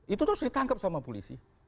itu terus ditangkap sama polisi